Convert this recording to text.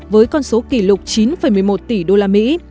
với con số kỷ lục chín một mươi một tỷ đô la mỹ